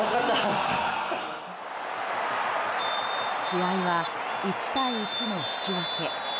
試合は１対１の引き分け。